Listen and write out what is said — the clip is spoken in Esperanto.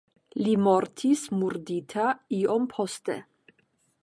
Li mortis murdita iom poste.